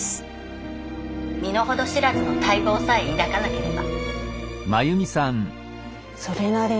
「身の程知らずの大望さえ抱かなければ」。